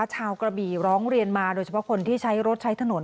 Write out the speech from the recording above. กระบี่ร้องเรียนมาโดยเฉพาะคนที่ใช้รถใช้ถนน